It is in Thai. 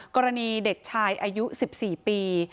กรณีเด็กชายอายุ๑๔ปี